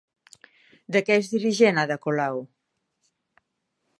De què és dirigent Ada Colau?